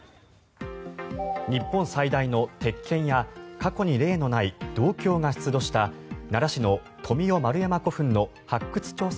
日本最大の鉄剣や過去に例のない銅鏡が出土した奈良市の富雄丸山古墳の発掘調査